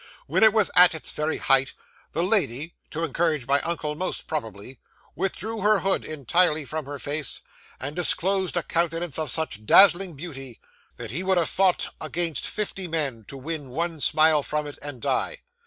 When it was at its very height, the lady (to encourage my uncle most probably) withdrew her hood entirely from her face, and disclosed a countenance of such dazzling beauty, that he would have fought against fifty men, to win one smile from it and die.